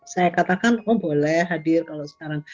saya katakan oh boleh hadir kalau sekarang